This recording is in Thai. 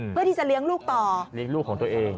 เพื่อที่จะเลี้ยงลูกต่อเลี้ยงลูกของตัวเอง